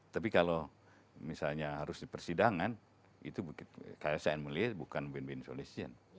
tapi kalau misalnya harus dipersidangan itu kesehatan mulia bukan win win solution